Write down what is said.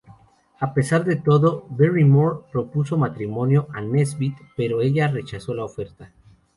A pesar de todo, Barrymore propuso matrimonio a Nesbit, pero ella rechazó la oferta.